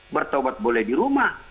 bertaubat boleh di rumah